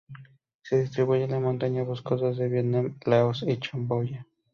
Se distribuye en las montañas boscosas de Vietnam, Laos y Camboya.